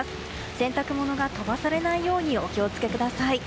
洗濯物が飛ばされないようにお気を付けください。